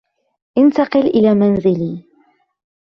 انتقل إلى منزلي.